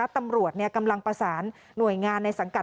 ตำรวจกำลังประสานหน่วยงานในสังกัด